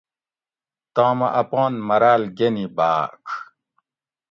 تامہ اپان مراۤل گنی باۤڄ